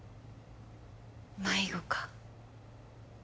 迷子か